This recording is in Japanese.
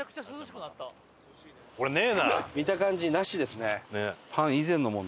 見た感じなしですね。